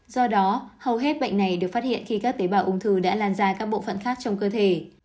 do đó hầu hết bệnh này được phát hiện khi các tế bào ung thư đã lan ra các bộ phận khác trong cơ thể